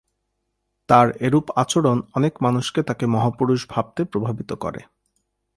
তার এরূপ আচরণ অনেক মানুষকে তাকে মহাপুরুষ ভাবতে প্রভাবিত করে।